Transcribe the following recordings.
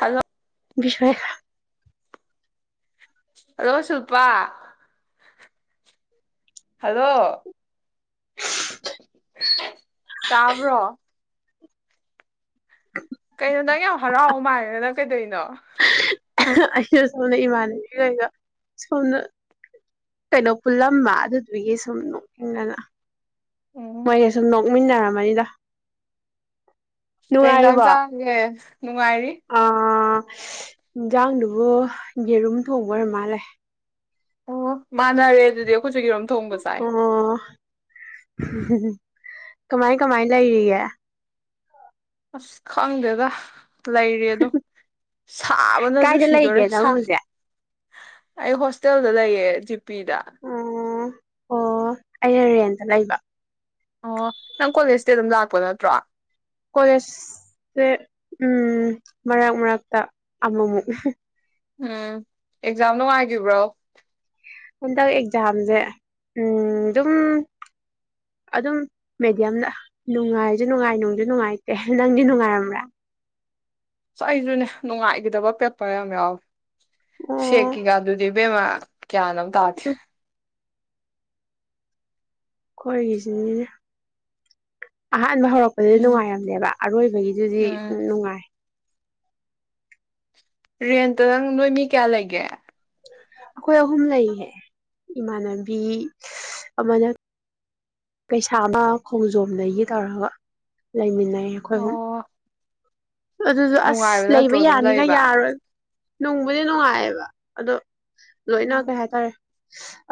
hello ꯕꯤꯁ꯭ꯋꯥꯔꯥꯏ ꯑꯗꯣ ꯁꯤꯜꯄꯥ ꯍꯜꯂꯣ ꯇꯥꯕ꯭ꯔꯣ ꯀꯩꯅꯣ ꯅꯪ ꯌꯥꯝ ꯍꯔꯥꯎ ꯃꯥꯥꯜꯂꯦ ꯅꯪ ꯀꯩꯗꯧꯅꯣ ꯑꯩꯩꯗꯣ ꯁꯣꯝꯗ ꯏꯃꯥꯟꯅꯕꯤꯈꯩꯒ ꯁꯣꯝꯗ ꯀꯩꯅꯣ ꯄꯨꯜꯂꯝꯕ ꯑꯗꯨꯗꯨꯒꯤ ꯁꯨꯝ ꯅꯣꯛꯅꯤꯡꯗꯅ ꯎꯝ ꯃꯣꯏꯒ ꯁꯨꯝ ꯅꯣꯛꯃꯤꯟꯅꯔꯝꯕꯅꯤꯗ ꯀꯩ ꯍꯦꯟꯖꯥꯡ ꯆꯥꯔꯒꯦ ꯅꯨꯡꯉꯥꯏꯔꯤ ꯑꯥ ꯏꯟꯖꯥꯡꯗꯨꯕꯨ ꯌꯦꯔꯨꯝ ꯊꯣꯡꯕ ꯑꯣꯏꯔ ꯃꯥꯜꯂꯦ ꯑꯣ ꯃꯥꯅꯔꯦ ꯑꯗꯨꯗꯤ ꯑꯩꯈꯣꯏꯁꯨ ꯌꯦꯔꯨꯝ ꯊꯣꯡꯕ ꯆꯥꯏ ꯑꯣ ꯀꯃꯥꯏ ꯀꯃꯥꯏ ꯂꯩꯔꯤꯒꯦ ꯑꯁ ꯈꯪꯗꯦꯗ ꯂꯩꯔꯤ ꯑꯗꯨꯝ ꯁꯥꯕꯅꯁꯨ ꯀꯥꯏꯗ ꯂꯩꯒꯦ ꯁꯤꯗꯣꯔꯦ ꯅꯪ ꯁꯥ ꯍꯧꯖꯤꯛ ꯑꯩ ꯍꯣꯁꯇꯦꯜꯗ ꯂꯩꯌꯦ ꯖꯤ ꯄꯤꯗ ꯑꯣ ꯑꯣ ꯑꯩꯅ ꯔꯦꯟꯇ ꯂꯩꯕ ꯑꯣ ꯅꯪ ꯀꯣꯂꯦꯖꯇꯤ ꯑꯗꯨꯝ ꯂꯥꯛꯄ ꯅꯠꯇ꯭ꯔꯣ ꯀꯣꯂꯦꯖꯁꯦ ꯎꯝ ꯃꯔꯛ ꯃꯔꯛꯇ ꯑꯃꯨꯃꯨꯛ ꯎꯝ ꯑꯦꯛꯖꯥꯝ ꯅꯨꯡꯉꯥꯏꯒꯤꯕ꯭ꯔꯣ ꯍꯟꯗꯛ ꯑꯦꯛꯖꯥꯝꯖꯦ ꯎꯝ ꯗꯨꯝ ꯑꯗꯨꯝ ꯃꯦꯗꯤꯌꯝꯗ ꯅꯨꯡꯉꯥꯏꯖꯨ ꯅꯨꯡꯉꯥꯏ ꯅꯨꯡꯖꯨ ꯅꯨꯡꯉꯥꯏꯇꯦ ꯅꯪꯗꯤ ꯅꯨꯡꯉꯥꯏꯔꯝꯕ꯭ꯔꯥ ꯑꯁ ꯑꯩꯖꯨꯅꯦ ꯅꯨꯡꯉꯥꯏꯒꯤꯗꯕ ꯄꯦꯄꯔ ꯌꯥꯝ ꯌꯥꯎꯏ ꯑꯣ ꯁꯦꯀꯤ ꯒꯥꯗꯨꯗꯤ ꯕꯦꯝꯃꯥ ꯒ꯭ꯌꯥꯟ ꯑꯝ ꯇꯥꯗꯦ ꯈꯣꯏꯒꯤꯖꯨꯅꯤꯅꯦ ꯑꯍꯥꯟꯕ ꯍꯧꯔꯛꯄꯗꯗꯤ ꯎꯝ ꯅꯨꯡꯉꯥꯏꯔꯝꯗꯦꯕ ꯑꯔꯣꯏꯕꯒꯤꯗꯨꯗꯤ ꯎꯝ ꯅꯨꯡꯉꯥꯏ ꯔꯦꯟꯇ ꯅꯪ ꯅꯣꯏ ꯃꯤ ꯀꯌꯥ ꯂꯩꯒꯦ ꯑꯈꯣꯏ ꯑꯍꯨꯝ ꯂꯩꯌꯦ ꯏꯃꯥꯟꯅꯕꯤ ꯑꯃꯅ ꯄꯩꯁꯥꯅ ꯈꯣꯡꯖꯣꯝ ꯗꯒꯤ ꯇꯧꯔꯒ ꯂꯩꯃꯤꯟꯅꯩ ꯂꯩ ꯑꯩꯈꯣꯏ ꯍꯨꯝ ꯑꯣ ꯑꯗꯨꯖꯨ ꯑꯁ ꯅꯨꯡꯉꯥꯏꯕ ꯅꯠꯇ꯭ꯔꯣ ꯂꯩꯕ ꯑꯗꯨꯝ ꯌꯥꯅꯤꯒ ꯂꯩꯕ ꯌꯥꯔꯣꯏ ꯅꯨꯡꯕꯨꯗꯤ ꯅꯨꯡꯉꯥꯏꯑꯕ ꯑꯗꯣ ꯂꯣꯏꯅ ꯎꯝ ꯀꯩ ꯍꯥꯏꯇꯥꯔꯦ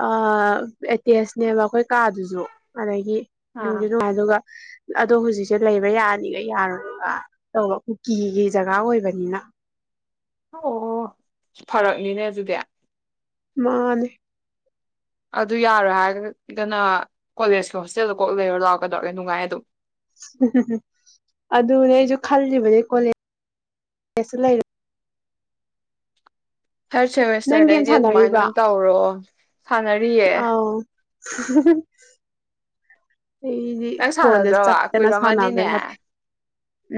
ꯑ ꯑꯦꯇꯦꯁꯅꯦꯕ ꯑꯩꯈꯣꯏ ꯀꯥꯗꯨꯖꯨ ꯑꯗꯒꯤ ꯅꯨꯡꯖꯨ ꯑꯥ ꯅꯨꯡꯉꯥꯏꯗꯨꯒ ꯑꯗꯣ ꯍꯧꯖꯤꯛꯁꯦ ꯂꯩꯕ ꯌꯥꯅꯤꯒ ꯌꯥꯔꯣꯏꯒ ꯇꯧꯕ ꯀꯨꯀꯤꯒꯤ ꯖꯒꯥ ꯑꯣꯏꯕꯅꯤꯅ ꯑꯣ ꯐꯔꯛꯅꯤꯅꯦ ꯑꯗꯨꯗꯤ ꯃꯥꯟꯅꯦ ꯑꯗꯨ ꯌꯥꯔꯣꯏ ꯍꯥꯏꯔꯒꯅ ꯀꯣꯂꯦꯖꯀꯤ ꯍꯣꯁꯇꯦꯜꯗ ꯀꯣꯛ ꯂꯩꯔꯣ ꯂꯥꯛꯑꯣ ꯀꯗꯧꯔꯒꯦ ꯅꯨꯡꯉꯥꯏ ꯑꯗꯨꯝ ꯍ ꯍ ꯑꯗꯨꯅꯦ ꯑꯩꯖꯨ ꯈꯜꯂꯤꯕꯅꯤ ꯀꯣꯂꯦꯖꯇ ꯂꯩꯔ ꯊꯥꯔ ꯅꯪ ꯒꯦꯝ ꯁꯦꯃꯦꯁꯇꯔꯗꯩꯗꯤ ꯑꯗꯨꯃꯥꯏꯅ ꯁꯥꯟꯅꯔꯤꯕ ꯑꯣꯏꯅ ꯇꯧꯔꯣ ꯁꯥꯟꯅꯔꯤꯌꯦ ꯍ ꯍꯤ ꯑꯩꯗꯤ ꯅꯪ ꯐꯣꯟꯗ ꯁꯥꯟꯅꯗ꯭ꯔꯕ ꯆꯞꯇꯅ ꯁꯥꯟꯅꯕ ꯀꯨꯏꯔꯝꯃꯅꯤꯅꯦ ꯌꯥꯗ꯭ꯔꯦ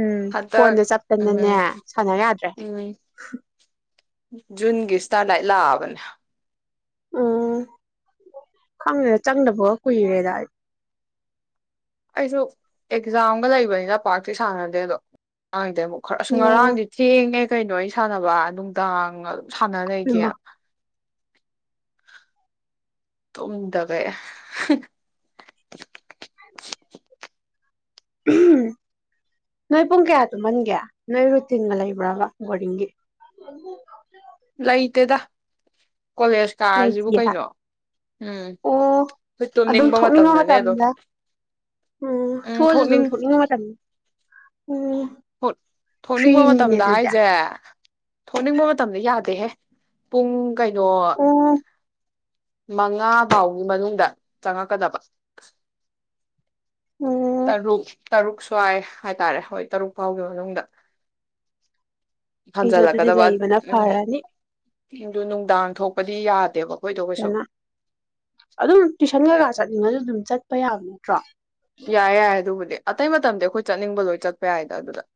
ꯎꯝ ꯍꯟꯇꯛ ꯐꯣꯟꯗ ꯎꯝ ꯆꯞꯇꯅꯅꯦ ꯁꯥꯟꯅ ꯌꯥꯗ꯭ꯔꯦ ꯎꯝ ꯖꯨꯟꯒꯤ ꯁꯇꯥꯔ ꯂꯥꯏꯠ ꯂꯥꯛꯑꯕꯅꯦ ꯎꯝ ꯈꯪꯗꯦꯗ ꯆꯪꯗꯕꯒ ꯀꯨꯏꯔꯦꯗ ꯑꯩ ꯑꯩꯁꯨ ꯑꯦꯛꯖꯥꯝꯒ ꯂꯩꯕꯅꯤꯅ ꯄꯥꯛꯇꯤ ꯁꯥꯟꯅꯗꯦ ꯑꯗꯣ ꯉꯥꯡꯗꯦ ꯑꯃꯨꯛ ꯈꯔ ꯁꯨꯡ ꯑꯣ ꯉꯔꯥꯡꯗꯤ ꯊꯦꯡꯅ ꯀꯩꯅꯣ ꯑꯩ ꯁꯥꯟꯅꯕ ꯅꯨꯡꯗꯥꯡ ꯁꯥꯟꯅ ꯂꯩꯒꯦ ꯏꯃꯥ ꯇꯨꯝꯗꯕꯩ ꯍꯝ ꯅꯣꯏ ꯄꯨꯡ ꯀꯌꯥ ꯇꯨꯝꯍꯟꯒꯦ ꯅꯣꯏ ꯔꯨꯇꯤꯟꯒ ꯂꯩꯕ꯭ꯔꯕ ꯕꯣꯔꯗꯤꯡꯒꯤ ꯇꯦꯗ ꯂꯩꯇꯤ ꯍꯥꯏ ꯎꯝ ꯑꯣ ꯍꯣꯏ ꯑꯗꯨꯝ ꯇꯨꯝꯅꯤꯡꯕ ꯊꯣꯛꯅꯤꯡꯕ ꯃꯇꯝꯗꯅꯦ ꯑꯗꯨꯝ ꯃꯇꯝꯗ ꯎꯝ ꯊꯣꯛꯑꯁꯨ ꯑꯗꯨꯝ ꯊꯣꯛꯅꯤꯡꯕ ꯃꯇꯝ ꯎꯝ ꯊꯣꯛ ꯊꯣꯛꯅꯤꯡꯕ ꯐ꯭ꯔꯤꯅꯤꯅꯦ ꯃꯇꯝꯗ ꯑꯗꯨꯗꯤ ꯍꯥꯏꯁꯦ ꯊꯣꯛꯅꯤꯡꯕ ꯃꯇꯝꯗ ꯌꯥꯗ ꯗꯦꯍꯦ ꯄꯨꯡ ꯀꯩꯅꯣ ꯑꯣ ꯃꯉꯥ ꯐꯥꯎꯒꯤ ꯃꯅꯨꯡꯗ ꯆꯪꯉꯛꯀꯗꯕ ꯎꯝ ꯇꯔꯨꯛ ꯇꯔꯨꯛ ꯁ꯭ꯋꯥꯏ ꯍꯥꯏꯇꯥꯔꯦ ꯍꯣꯏ ꯇꯔꯨꯛ ꯄꯥꯎꯒꯤ ꯃꯅꯨꯡꯗ ꯑꯩꯁꯨ ꯑꯗꯨꯗꯤ ꯍꯟꯖꯜꯂꯛꯀꯗꯕ ꯂꯩꯕꯅ ꯐꯔꯅꯤ ꯎꯝ ꯗꯨ ꯅꯨꯡꯗꯥꯡ ꯊꯣꯛꯄꯗꯤ ꯌꯥꯗꯦꯕ ꯀꯣꯏꯗꯣ ꯀꯩꯁꯨ ꯑꯗꯨꯅ ꯑꯗꯨꯝ ꯇꯨꯏꯁꯟ ꯀꯩꯀꯥ ꯆꯠꯅꯤꯡꯉꯁꯨ ꯑꯗꯨꯝ ꯆꯠꯄ ꯌꯥꯕ ꯅꯠꯇ꯭ꯔꯣ ꯌꯥꯏ ꯌꯥꯏ ꯑꯗꯨꯕꯨꯗꯤ ꯑꯇꯩ ꯃꯇꯝꯗꯤ ꯑꯩꯈꯣꯏ ꯆꯠꯅꯤꯡꯕ ꯂꯣꯏ ꯆꯠꯄ ꯌꯥꯏꯗ ꯑꯗꯨꯗ ꯍꯥ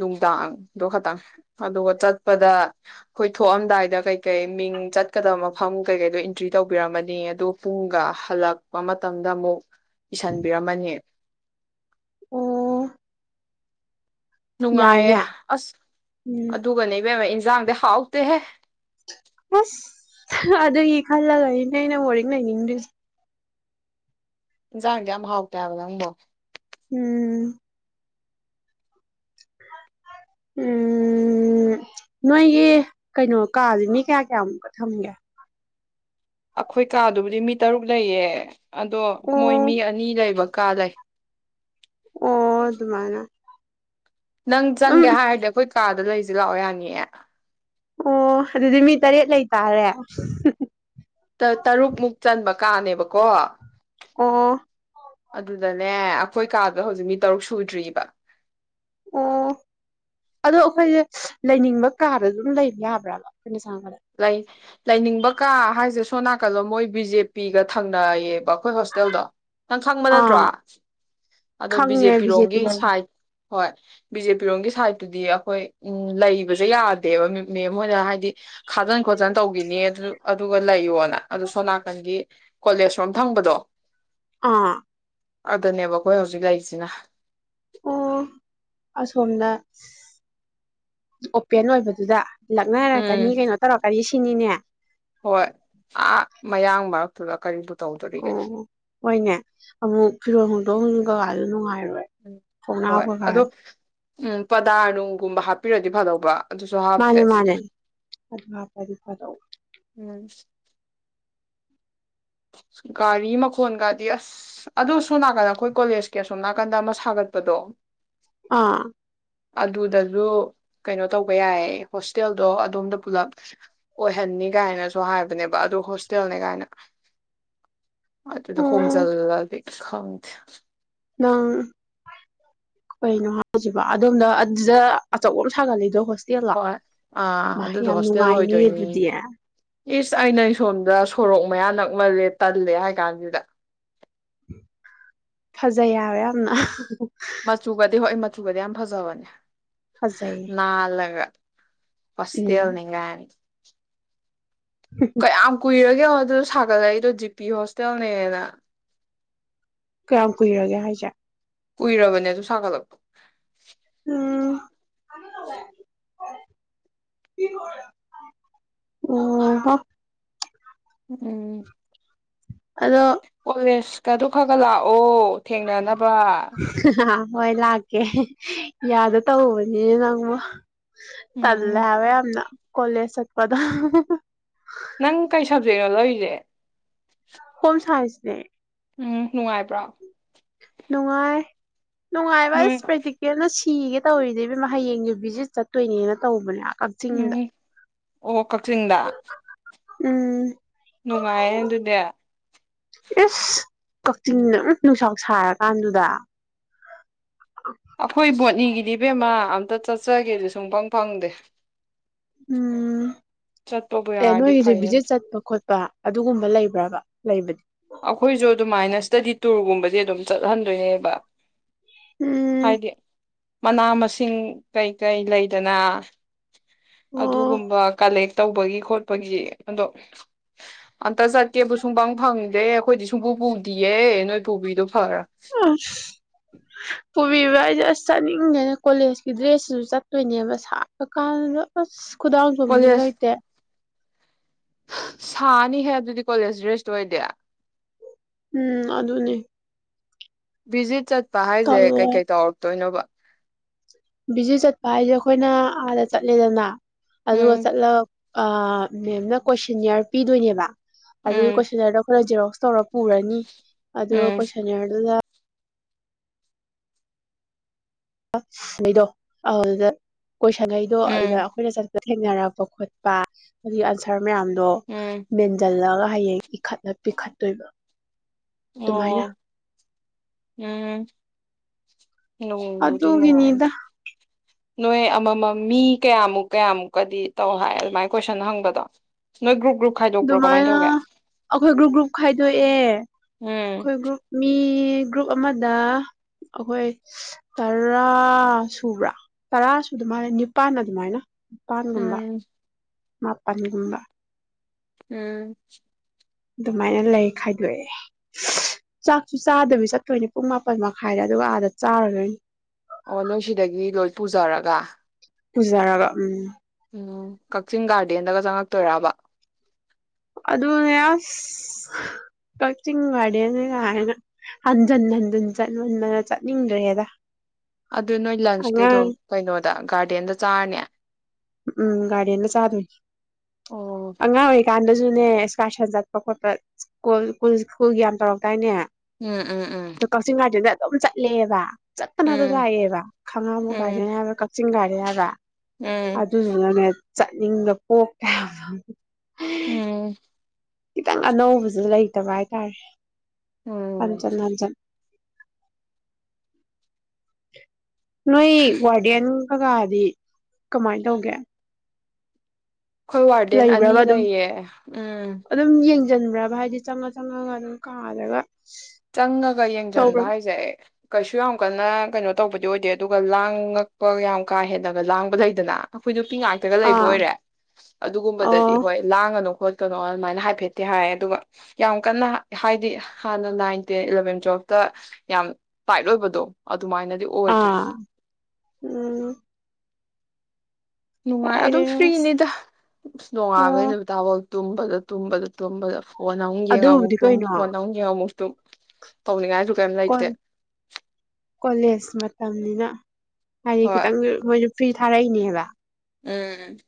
ꯅꯨꯡꯗꯥꯡ ꯗꯣ ꯈꯛꯇꯪ ꯑꯗꯨꯒ ꯆꯠꯄꯗ ꯑꯩꯈꯣꯏ ꯊꯣꯛꯑꯝꯗꯥꯏꯗ ꯀꯩꯀꯩ ꯃꯤꯡ ꯆꯠꯀꯗꯕ ꯃꯐꯝ ꯀꯩꯀꯩꯗꯣ ꯑꯦꯟꯇ꯭ꯔꯤ ꯇꯧꯕꯤꯔꯝꯃꯅꯤ ꯑꯗꯨ ꯄꯨꯡꯒ ꯍꯜꯂꯛꯄ ꯃꯇꯝꯗ ꯑꯃꯨꯛ ꯏꯁꯟ ꯃꯅꯤ ꯑꯣ ꯅꯨꯡꯉꯥꯏꯌꯦ ꯌꯥꯏꯅꯦ ꯑꯁ ꯎꯝ ꯑꯗꯨꯒꯅꯦ ꯏꯕꯦꯝꯃꯥ ꯏꯟ ꯖꯥꯡꯗꯤ ꯍꯥꯎꯇꯦ ꯍꯦ ꯑꯁ ꯍꯥ ꯑꯗꯨꯒꯤ ꯈꯜꯂꯒꯅꯤꯅꯦ ꯑꯩꯅ ꯕꯣꯔꯗꯤꯡ ꯂꯩꯅꯤꯡꯗ꯭ꯔꯤꯁꯦ ꯏꯟꯁꯥꯡꯁꯦ ꯌꯥꯝ ꯍꯥꯎꯇꯦ ꯍꯥꯢꯕ ꯅꯪꯕꯣ ꯎꯝ ꯎꯝ ꯅꯣꯏꯒꯤ ꯀꯩꯅꯣ ꯀꯥꯥꯁꯦ ꯃꯤ ꯀꯌꯥ ꯀꯌꯥꯃꯨꯛꯀ ꯊꯝꯒꯦ ꯑꯩꯈꯣꯏ ꯀꯥꯗꯨꯕꯨꯗꯤ ꯃꯤ ꯇꯔꯨꯛ ꯂꯩꯌꯦ ꯑꯗꯣ ꯑꯣ ꯃꯣꯏ ꯃꯤ ꯑꯅꯤ ꯂꯩꯕ ꯀꯥ ꯂꯩ ꯑꯣ ꯑꯗꯨꯃꯥꯏꯅ ꯅꯪ ꯑꯗꯨꯝ ꯆꯪꯒꯦ ꯍꯥꯏꯔꯗꯤ ꯑꯩꯈꯣꯏ ꯀꯥꯗ ꯂꯩ ꯁꯤ ꯂꯥꯛꯑꯣ ꯌꯥꯅꯤꯌꯦ ꯑꯣ ꯑꯗꯨꯗꯤ ꯃꯤ ꯇꯔꯦꯠ ꯂꯩꯇꯥꯥꯔꯦ ꯎꯝ ꯍꯝ ꯍꯝ ꯇꯔꯨꯛꯃꯨꯛ ꯆꯟꯕ ꯀꯥꯅꯦꯕꯀꯣ ꯑꯣ ꯑꯗꯨꯗꯅꯦ ꯑꯩꯈꯣꯏ ꯀꯥꯗꯣ ꯍꯧꯖꯤꯛ ꯃꯤ ꯇꯔꯨꯛ ꯁꯨꯗ꯭ꯔꯤꯕ ꯑꯣ ꯑꯗꯣ ꯑꯩꯈꯣꯏꯁꯦ ꯂꯩꯅꯤꯡꯕ ꯀꯥꯗ ꯑꯗꯨꯝ ꯂꯩꯕ ꯌꯥꯕ꯭ꯔꯕ ꯑꯩꯈꯣꯏꯅ ꯆꯪꯉꯛꯄꯗ ꯂꯩꯥ ꯂꯩꯅꯤꯡꯕ ꯀꯥ ꯍꯥꯏꯁꯦ ꯁꯣꯝ ꯅꯥꯀꯜꯂꯣꯝ ꯃꯣꯏ ꯕꯤ ꯖꯦ ꯄꯤꯒ ꯊꯪꯅꯩꯌꯦ ꯑꯩꯈꯣꯏ ꯍꯣꯁꯇꯦꯜꯗꯣ ꯅꯪ ꯈꯪꯕ ꯅꯠꯇ꯭ꯔꯣ ꯑꯥ ꯑꯗꯣ ꯕꯤ ꯖꯦ ꯈꯪꯉꯦ ꯕꯤꯖꯦꯄꯤ ꯄꯤꯔꯣꯝꯒꯤ ꯂꯩ ꯁꯥꯏꯠ ꯍꯣꯏ ꯕꯤ ꯖꯦ ꯄꯤꯔꯣꯝꯒꯤ ꯁꯥꯏꯗꯠꯇꯨꯗꯤ ꯑꯩꯈꯣꯏ ꯎꯝ ꯂꯩꯕꯁꯦ ꯌꯥꯗꯦꯕ ꯃꯦꯡ ꯍꯣꯏꯅ ꯍꯥꯏꯗꯤ ꯈꯥꯖꯤꯟ ꯈꯣꯠꯆꯟ ꯇꯧꯈꯤꯅꯤ ꯑꯗꯨꯒ ꯂꯩꯌꯣꯅ ꯑꯗꯨ ꯁꯣꯝꯅꯥꯀꯟꯒꯤ ꯀꯣꯂꯦꯖ ꯔꯣꯝ ꯊꯪꯕꯗꯣ ꯑꯥ ꯑꯗꯅꯦꯕ ꯑꯩꯈꯣꯏ ꯍꯧꯖꯤꯛ ꯂꯩꯔꯤꯁꯤꯅ ꯑꯣ ꯑꯁꯣꯝꯅ ꯑꯣꯄꯦꯟ ꯑꯣꯏꯕꯗꯨꯗ ꯎꯝ ꯂꯛꯅꯔꯛꯀꯅꯤ ꯀꯩꯅꯣ ꯇꯧꯔꯛꯀꯅꯤ ꯁꯤ ꯁꯤꯅꯤꯅꯦ ꯍꯣꯏ ꯑꯥ ꯃꯌꯥꯡ ꯃꯔꯛꯇꯨꯗ ꯀꯔꯤꯕꯨ ꯇꯧꯗꯣꯔꯤꯒꯦ ꯑꯣ ꯍꯣꯏꯅꯦ ꯑꯃꯨꯛ ꯐꯤꯔꯣꯜ ꯍꯣꯡꯗꯣꯛ ꯍꯣꯡꯖꯤꯟꯒ ꯅꯨꯡꯉꯥꯔꯣꯏ ꯎꯝ ꯍꯣꯏ ꯑꯗꯣ ꯎꯝ ꯄꯗꯥꯔ ꯅꯨꯡꯒꯨꯝꯕ ꯍꯥꯞꯄꯤꯔꯗꯤ ꯐꯗꯧꯕ ꯑꯗꯨꯁꯨ ꯃꯥꯅꯦ ꯍꯥꯞꯇꯦ ꯃꯥꯅꯦ ꯑꯗꯨ ꯍꯥꯞꯄꯗꯤ ꯐꯗꯧꯕ ꯎꯝ ꯒꯥꯔꯤ ꯃꯈꯣꯟꯒꯗꯤ ꯑꯁ ꯑꯗꯨ ꯁꯣꯝ ꯅꯥꯀꯟꯗ ꯑꯩꯈꯣꯏ ꯀꯣꯂꯦꯖꯀꯤ ꯑꯁꯣꯝ ꯅꯥꯀꯟꯗ ꯑꯃ ꯁꯥꯒꯠꯄꯗꯣ ꯑꯥ ꯑꯗꯨꯗꯁꯨ ꯀꯩꯅꯣ ꯇꯧꯕ ꯌꯥꯏ ꯍꯣꯁꯇꯦꯜꯗꯣ ꯑꯗꯣꯝꯗ ꯄꯨꯂꯞ ꯑꯣꯏꯍꯟꯅꯤ ꯀꯥꯏꯅꯁꯨ ꯍꯥꯏꯕꯅꯦꯕ ꯑꯗꯨ ꯍꯣꯁꯇꯦꯜꯅꯦ ꯀꯥꯏꯅ ꯑꯗꯨꯗ ꯑꯣ ꯍꯣꯡꯖꯜꯂꯗꯤ ꯈꯪꯗꯦ ꯅꯪ ꯀꯩꯅꯣ ꯍꯥꯏꯁꯤꯕꯨ ꯑꯗꯣꯝꯗ ꯑꯗꯨꯗ ꯑꯆꯧꯕ ꯑꯃ ꯁꯥꯒꯠꯂꯤꯗꯣ ꯍꯣ ꯍꯣꯏ ꯑꯥ ꯑꯗꯨꯗꯣ ꯍꯣꯁꯇꯦꯜ ꯅꯨꯡꯉꯥꯏꯅꯤ ꯑꯣꯏꯗꯣꯏꯅꯤꯌꯦ ꯑꯗꯨꯗꯤ ꯏꯁ ꯑꯩꯅ ꯁꯣꯝꯗ ꯁꯣꯔꯣꯛ ꯃꯌꯥ ꯅꯛꯃꯜꯂꯦ ꯇꯜꯂꯦ ꯍꯥꯏ ꯀꯥꯟꯁꯤꯗ ꯐꯖꯩ ꯍꯥꯕ ꯌꯥꯝꯅ ꯃꯆꯨꯒꯗꯤ ꯍꯣꯏ ꯃꯆꯨꯒꯗꯤ ꯌꯥꯝ ꯐꯖꯕꯅꯦ ꯐꯖꯩꯌꯦ ꯅꯥꯜꯂꯒ ꯎꯝ ꯍꯣꯁꯂꯦꯜꯅꯦ ꯀꯥꯏꯅ ꯀꯌꯥꯝ ꯀꯨꯏꯔꯒꯦ ꯌꯦꯡꯉꯣ ꯑꯗꯨꯗ ꯁꯥꯒꯠꯂꯛꯏꯗꯣ ꯖꯤꯄꯤ ꯍꯣꯁꯇꯦꯜꯅꯦꯅ ꯀꯌꯥꯝ ꯀꯨꯏꯔꯒꯦ ꯍꯥꯏꯁꯦ ꯀꯨꯏꯔꯕꯅꯦ ꯑꯗꯨ ꯁꯥꯒꯠꯂꯛꯄ ꯎꯝ ꯑꯣ ꯍ ꯎꯝ ꯑꯗꯣ ꯑꯣꯜꯑꯦꯁ ꯀ ꯑꯗꯨ ꯈꯒ ꯂꯥꯛꯑꯣ ꯊꯦꯡꯅꯅꯕ ꯍꯣꯏ ꯂꯥꯛꯀꯦ ꯌꯥꯗ ꯇꯧꯕꯅꯤ ꯅꯪꯕꯨ ꯎꯝ ꯇꯜꯂꯦ ꯎꯝ ꯍꯥꯏꯦꯕ ꯌꯥꯝꯅ ꯀꯣꯂꯦꯁ ꯆꯠꯄꯗ ꯅꯪ ꯀꯩ ꯁꯞꯖꯦꯛꯅꯣ ꯂꯧꯔꯤꯁꯦ ꯍꯣꯝ ꯁꯥꯏꯟꯁꯅꯦ ꯎꯝ ꯅꯨꯡꯉꯥꯏꯕ꯭ꯔꯣ ꯅꯨꯡꯉꯥꯏ ꯅꯨꯡꯉꯥꯏꯕ ꯅꯣꯏ ꯑꯁ ꯄ꯭ꯔꯦꯛꯇꯤꯀꯦꯜꯅ ꯁꯤ ꯁꯤꯒꯦ ꯇꯧꯔꯤꯅꯤ ꯏꯕꯦꯝꯃ ꯍꯌꯦꯡꯁ ꯚꯤꯖꯤꯠ ꯆꯠꯇꯣꯏꯅꯦꯅ ꯇꯧꯕꯅꯦ ꯀꯛꯆꯤꯡꯗ ꯎꯝ ꯑꯣ ꯀꯛꯆꯤꯡꯗ ꯎꯝ ꯅꯨꯡꯉꯥꯏꯌꯦ ꯑꯗꯨꯗꯤ ꯏꯁ ꯀꯛꯆꯤꯡꯗ ꯎꯃ ꯅꯨꯡꯁꯥ ꯁꯥꯔꯀꯥꯟꯗꯨꯗ ꯑꯩꯈꯣꯏ ꯕꯣꯠꯅꯤꯒꯤꯗꯤ ꯏꯕꯦꯝꯃ ꯑꯝꯇ ꯆꯠꯆꯒꯦꯗꯤ ꯁꯨꯡꯐꯪ ꯐꯪꯗꯦ ꯎꯝ ꯆꯠꯄꯕꯨ ꯑꯦ ꯌꯥꯔꯗꯤ ꯅꯣꯏꯁꯨ ꯐꯩꯌꯦ ꯕꯤꯖꯤꯠ ꯆꯠꯄ ꯈꯣꯠꯄ ꯑꯗꯨꯒꯨꯝꯕ ꯂꯩꯕ꯭ꯔꯥꯕ ꯂꯩꯕꯗꯤ ꯇꯨꯔꯒꯨꯝꯕꯁ ꯑꯗꯨꯝ ꯆꯠꯍꯟꯗꯣꯏꯅꯦꯕ ꯎꯝ ꯍꯥꯏꯗꯤ ꯃꯅꯥ ꯃꯁꯤꯡ ꯀꯩꯀꯩ ꯂꯩꯗꯅ ꯑꯣ ꯑꯗꯨꯒꯨꯝꯕ ꯀꯂꯦꯛ ꯇꯧꯕꯒꯤ ꯈꯣꯠꯄꯒꯤ ꯑꯗꯣ ꯑꯝꯇ ꯆꯠꯀꯦꯕꯨ ꯁꯨꯡꯄꯪ ꯐꯪ ꯗꯦ ꯑꯩꯈꯣꯏꯗꯤ ꯁꯨꯡꯄꯨ ꯄꯨꯗꯤꯌꯦ ꯅꯣꯏ ꯄꯨꯕꯤꯗꯣ ꯐꯔꯕꯅꯤ ꯑꯁ ꯄꯨꯕꯤꯕ ꯍꯥꯏꯁꯦ ꯑꯁ ꯆꯠꯅꯤꯡꯗꯦꯅ ꯀꯣꯂꯦꯖꯀꯤ ꯗ꯭ꯔꯦꯁꯁꯤꯁꯨ ꯆꯠ ꯇꯣꯏꯅꯦꯕ ꯁꯥꯔ ꯀꯥꯟꯗꯨꯗ ꯑꯁ ꯈꯨꯗꯥꯡ ꯑꯆꯣꯟꯕꯁꯨ ꯀꯣꯂꯦꯖ ꯂꯩꯇꯦ ꯁꯥꯅꯤꯍꯦ ꯑꯗꯨꯗꯤ ꯀꯣꯂꯦꯖ ꯗ꯭ꯔꯦꯁ ꯑꯣꯏꯗꯤ ꯎꯝ ꯑꯗꯨꯅꯦ ꯕꯤꯖꯤꯠ ꯆꯠ ꯆꯄꯥ ꯍꯥꯏꯁꯦ ꯇꯜꯂꯦ ꯀꯩ ꯀꯩ ꯇꯧꯔꯛꯇꯣꯏꯅꯣꯕ ꯕꯤꯖꯤ ꯆꯠꯄ ꯍꯥꯏꯁꯦ ꯑꯩꯈꯣꯏꯅ ꯑꯥꯗ ꯆꯠꯂꯦꯗꯅ ꯑꯗꯨꯒ ꯎꯝ ꯆꯠꯂꯒ ꯑꯥ ꯃꯦꯝꯅ ꯀꯣꯏꯁꯟꯌꯥꯔ ꯄꯤꯗꯣꯏꯅꯦꯕ ꯑꯗꯨꯗꯤ ꯎꯝ ꯀꯣꯏꯁꯟ ꯌꯔꯗꯣ ꯑꯩꯈꯣꯏꯅ ꯖꯦꯔꯣꯛꯁ ꯇꯧꯔꯛ ꯄꯨꯔꯅꯤ ꯑꯗ ꯎꯝ ꯀꯣꯏꯁꯟ ꯌꯔꯗꯨꯅ ꯃꯤꯗꯣ ꯑꯗꯨꯗ ꯀꯣꯏꯁꯟꯉꯩꯗꯣ ꯎꯝ ꯑꯗꯨꯗ ꯑꯩꯈꯣꯏꯅ ꯆꯠꯄꯗ ꯊꯦꯡꯅꯔꯛꯄ ꯈꯣꯠꯄ ꯑꯗꯨꯒꯤ ꯑꯟꯁꯔ ꯃꯌꯥꯝꯗꯣ ꯎꯝ ꯃꯦꯟꯖꯜꯂꯒ ꯍꯌꯦꯡ ꯏꯈꯠꯂ ꯄꯤꯈꯠꯇꯣꯏꯕ ꯑꯗꯨꯃꯥꯏꯅ ꯑꯣ ꯎꯝ [inaudible] ꯅꯨꯡꯕꯨꯗꯤ ꯅꯨꯡꯉꯥꯏꯅꯤ ꯑꯗꯨꯒꯤꯅꯤꯗ ꯅꯣꯏ ꯑꯃꯃꯝ ꯃꯤ ꯀꯌꯥꯃꯨꯛ ꯀꯌꯥꯃꯨꯛꯀꯗꯤ ꯇꯧ ꯍꯥꯏ ꯑꯗꯨꯃꯥꯏ ꯀꯣꯏꯁꯟ ꯍꯪꯕꯗꯣ ꯅꯣꯏ ꯒ꯭ꯔꯨꯞ ꯒ꯭ꯔꯨꯞ ꯈꯥꯏꯗꯣꯛꯄ꯭ꯔꯣ ꯀꯃꯥꯏꯅ ꯑꯗꯨꯃꯥꯏꯅ ꯇꯧꯒꯦ ꯑꯈꯣꯏ ꯒ꯭ꯔꯨꯞ ꯒ꯭ꯔꯨꯞ ꯈꯥꯏꯗꯣꯛꯑꯦ ꯎꯝ ꯈꯣꯏ ꯒ꯭ꯔꯨꯞ ꯃꯤ ꯒ꯭ꯔꯨꯞ ꯑꯃꯗ ꯑꯈꯣꯏ ꯇꯔꯥ ꯁꯨꯕ꯭ꯔꯥ ꯇꯔꯥꯁꯨꯨꯗ ꯃꯥꯜꯂꯦ ꯅꯤꯄꯥꯟ ꯑꯗꯨꯃꯥꯏꯅ ꯄꯥꯥꯟꯒꯨꯝꯕ ꯎꯝ ꯃꯥꯄꯟꯒꯨꯝꯕ ꯎꯝ ꯑꯗꯨꯃꯥꯏꯅ ꯂꯩ ꯈꯥꯏꯗꯣꯛꯑꯦ ꯆꯥꯛꯁꯨ ꯆꯥꯗꯕꯤ ꯆꯠꯇꯣꯏꯅꯦ ꯄꯨꯡ ꯃꯥꯄꯟ ꯃꯈꯥꯏꯗ ꯑꯗꯨꯒ ꯑꯥꯗ ꯆꯥꯔꯨꯗꯣꯏꯅꯤ ꯑꯣ ꯅꯣꯏ ꯁꯤꯗꯒꯤ ꯂꯣꯏ ꯄꯨꯖꯔꯒ ꯄꯨꯖꯔꯒ ꯎꯝ ꯎꯝ ꯀꯛꯆꯤꯡ ꯒꯥꯔꯗꯦꯟꯗꯒ ꯆꯪꯉꯛꯇꯣꯏꯔꯕ ꯑꯗꯨꯅꯦ ꯑꯁ ꯀꯛꯆꯤꯡ ꯒꯥꯔꯗꯦꯟ ꯅꯤ ꯀꯥꯏꯅ ꯍꯟꯖꯟ ꯍꯟꯖꯟ ꯆꯠꯃꯟꯗꯅ ꯆꯠꯅꯤꯡꯗ꯭ꯔꯦꯗ ꯑꯗꯨ ꯅꯣꯏ ꯂꯟꯁꯇꯤ ꯑꯗꯨꯝ ꯑꯉꯥꯡ ꯀꯩꯅꯣꯗ ꯒꯥꯔꯗꯦꯟꯗ ꯆꯥꯔꯅꯤ ꯎꯝ ꯒꯥꯔꯗꯦꯟꯗ ꯆꯥꯗꯣꯏꯅꯤ ꯑꯣ ꯑꯉꯥꯡ ꯑꯣꯏ ꯀꯥꯟ ꯕꯨꯖꯨꯅꯦ ꯏꯁꯀꯥꯔꯁꯟ ꯆꯠꯄ ꯈꯣꯠꯄ ꯁ꯭ꯀꯨꯜꯨ ꯁ꯭ꯀꯨꯜ ꯒꯤ ꯌꯥꯝ ꯇꯧꯔꯛꯇꯥꯏꯅꯦ ꯎꯝ ꯎꯝ ꯎꯝ ꯑꯗꯣ ꯀꯛꯆꯤꯡ ꯒꯥꯔꯗꯦꯟꯗ ꯑꯗꯨꯝ ꯆꯠꯂꯦꯕ ꯆꯠꯇꯅꯗ ꯎꯝ ꯂꯥꯛꯑꯦꯕ ꯈꯥꯡꯉꯕꯣꯛ ꯎꯝ ꯒꯥꯔꯗꯦꯟ ꯍꯥꯏꯕ ꯆꯤꯡ ꯒꯥꯔꯗꯦꯟ ꯍꯥꯏꯕ ꯎꯝ ꯑꯗꯨꯗꯨꯅꯅꯦ ꯆꯠꯅꯤꯡꯕ ꯄꯣꯛ ꯇꯦ ꯍꯥꯏꯕ ꯎꯝ ꯈꯤꯇꯪ ꯑꯅꯧꯕꯖꯨ ꯂꯩꯇꯕ ꯍꯥꯏꯇꯥꯔꯦ ꯎꯝ ꯍꯟꯖꯟ ꯍꯟꯖꯟ [inaudible] ꯅꯣꯏ ꯋꯥꯔꯗꯦꯟ ꯀꯒꯥꯗꯤ ꯀꯃꯥꯏ ꯇꯧꯒꯦ ꯈꯣꯏ ꯋꯥꯔꯗꯦꯟ ꯑꯅꯤ ꯂꯩꯕ꯭ꯔꯕ ꯂꯩꯌꯦ ꯎꯝ ꯖꯟꯕ꯭ꯔꯕ ꯍꯥꯏꯗꯤ ꯆꯪꯉ ꯆꯪꯉꯒ ꯑꯗꯨꯝ ꯀꯥꯗꯒ ꯆꯪꯉꯒ ꯌꯦꯡꯖꯟꯕ ꯍꯥꯏꯖꯦ ꯀꯩꯁꯨ ꯌꯥꯝ ꯀꯟꯅ ꯀꯩꯅꯣ ꯇꯧꯕꯗꯤ ꯑꯣꯏꯗꯦ ꯑꯗꯨꯒ ꯂꯥꯡꯉꯛꯄ ꯌꯥꯝ ꯀꯥ ꯍꯦꯟꯅꯒ ꯂꯥꯡꯕ ꯂꯩꯗꯅ ꯑꯩꯈꯣꯏꯗꯨ ꯅꯨꯄꯤ ꯉꯥꯛꯇꯒ ꯂꯩꯕ ꯑꯥ ꯑꯣꯏꯔꯦ ꯑꯗꯨꯒꯨꯝꯕꯗꯗꯤ ꯑꯣ ꯍꯣꯏ ꯂꯥꯡꯉꯅꯨ ꯈꯣꯠ ꯀꯅꯣ ꯑꯗꯨꯃꯥꯏꯅ ꯍꯥꯏꯐꯦꯠꯇꯤ ꯍꯥꯏ ꯑꯗꯨꯒ ꯌꯥꯝ ꯀꯟꯅ ꯍꯥꯏꯗꯤ ꯍꯥꯟꯅ ꯅꯥꯏꯟ ꯇꯦꯟ ꯏꯂꯚꯦꯟ ꯇꯨꯋꯦꯜꯐꯇ ꯌꯥꯝ ꯇꯥꯏꯠ ꯑꯣꯏꯕꯗꯣ ꯑ ꯑꯗꯨꯃꯥꯏꯅꯗꯤ ꯑꯣꯏꯗ꯭ꯔꯦ ꯑꯥ ꯎꯝ ꯅꯨꯡꯉꯥꯏ ꯀꯥꯏꯗ ꯑꯗꯨꯝ ꯐ꯭ꯔꯤꯅꯤꯗ ꯅꯣꯡꯉꯥꯟꯕꯗꯩ ꯑꯣ ꯅꯨꯃꯤꯠ ꯇꯥꯕꯥꯎ ꯇꯨꯝꯕꯗ ꯇꯨꯝꯕꯗ ꯇꯨꯝꯕꯗ ꯐꯣꯟ ꯑꯃꯨꯛ ꯌꯦꯡꯉ ꯑꯃꯨꯛ ꯑꯗꯨꯕꯨꯗꯤ ꯇꯨꯝ ꯀꯩꯅꯣ ꯐꯣꯟ ꯑꯃꯨꯛ ꯌꯦꯡꯉ ꯑꯃꯨꯛ ꯗꯨꯝ ꯇꯧꯅꯤꯒꯥꯏꯖꯨ ꯀꯣꯟ ꯀꯣꯂꯦꯖ ꯃ ꯇꯝꯅꯤꯅ ꯍꯥꯏꯗꯤ ꯍꯣꯏ ꯈꯤꯇꯪꯖꯨ ꯃꯣꯏꯖꯨ ꯐ꯭ꯔꯤ ꯊꯔꯩꯅꯤ ꯍꯥꯏꯕ ꯎꯝ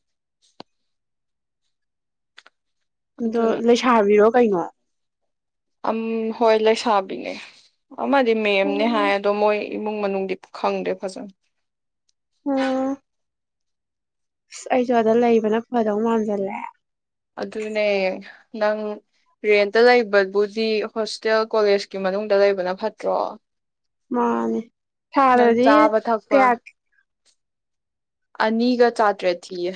ꯑꯗꯣ ꯑꯗꯨꯅ ꯂꯩꯁꯥꯕꯤꯔꯣ ꯀꯩꯅꯣ ꯑꯝ ꯍꯣꯏ ꯂꯩꯁꯥꯥꯕꯤꯅꯦ ꯑꯃꯗꯤ ꯃꯦꯝꯅꯦ ꯍꯥꯏ ꯎꯝ ꯑꯗꯣ ꯃꯣꯏ ꯏꯃꯨꯡ ꯃꯅꯨꯡꯗꯤ ꯈꯪꯗꯦ ꯐꯖꯅ ꯎꯝ ꯑꯁ ꯑꯩꯖꯨ ꯑꯗ ꯂꯩꯕꯅ ꯐꯗꯧ ꯃꯥꯥꯟꯖꯜꯂꯛꯑꯦ ꯑꯗꯨꯅꯦ ꯅꯪ ꯔꯦꯟꯇ ꯂꯩꯕꯕꯨꯗꯤ ꯍꯣꯁꯇꯦꯜ ꯀꯣꯂꯦꯖꯀꯤ ꯃꯅꯨꯡꯗ ꯂꯩꯕꯅ ꯐꯠꯇ꯭ꯔꯣ ꯃꯥꯟꯅꯦ ꯅꯪ ꯊꯥꯗꯗꯤ ꯆꯥꯕ ꯊꯛꯄ ꯀꯌꯥ ꯑꯅꯤꯒ ꯆꯥꯇ꯭ꯔꯦꯠ ꯊꯤꯌꯦ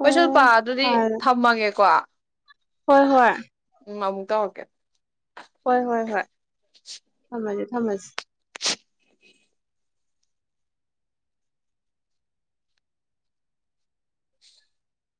ꯀꯁꯨ ꯄꯥ ꯑꯣ ꯑꯗꯨꯗꯤ ꯊꯥꯗ [unintelligible] ꯍꯣꯏ ꯍꯣꯏ ꯎꯝ ꯑꯃꯨꯛ ꯇꯧꯔꯛꯀꯦ ꯍꯣꯏ ꯍꯣꯏ ꯍꯣꯏ ꯊꯝꯃꯁꯤ